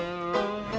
dan mas kawin